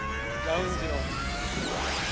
ラウンジの。